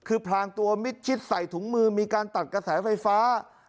คือพลางตัวมิดชิดใส่ถุงมือมีการตัดกระแสไฟฟ้า